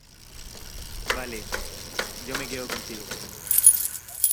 vale, yo me quedo contigo.